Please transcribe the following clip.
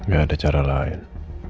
gak ada cara lain